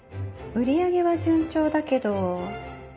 売り上げは順調だけど。